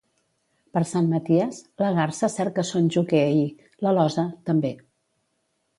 Per Sant Maties, la garsa cerca son joquer i, l'alosa, també.